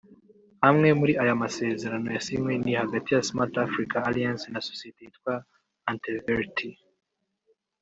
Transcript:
Amwe muri aya masezerano yasinywe ni hagati ya Smart Africa Alliance na sosiyete yitwa Anteverti